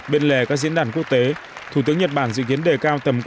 bên lề các diễn đàn quốc tế